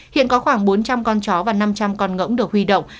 hiện có khoảng bốn trăm linh con chó và năm trăm linh con ngỗng được huy động